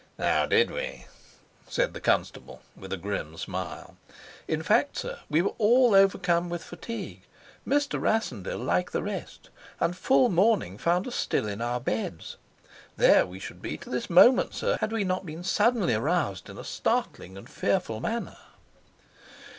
"Now did we?" said the constable, with a grim smile. "In fact, sir, we were all overcome with fatigue Mr. Rassendyll like the rest and full morning found us still in our beds. There we should be to this moment, sir, had we not been suddenly aroused in a startling and fearful manner."